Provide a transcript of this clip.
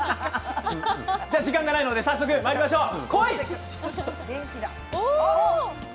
時間がないので早速まいりましょう。